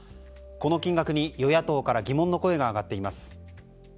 この金額に、与野党から疑問の声が上がっています。